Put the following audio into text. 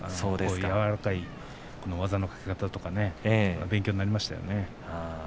柔らかい技のかけ方とか勉強になりました。